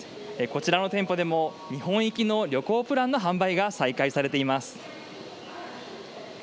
こちらの店舗でも日本行きの旅行プランの販売が再開されています。